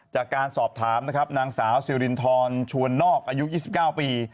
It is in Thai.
จากการสอบถามนะครับนางสาวสิรินทรชวนนอกอายุ๒๙ปี